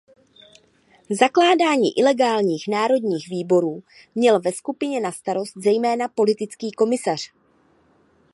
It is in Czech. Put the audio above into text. Zakládání ilegálních národních výborů měl ve skupině na starost zejména politický komisař.